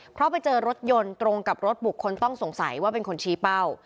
เพราะไปเจอรถยนต์ตรงกับรถบุคคลต้องสงสัยว่าเป็นคนชี้เป้า